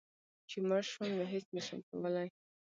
چي مړ شوم نو هيڅ نشم کولی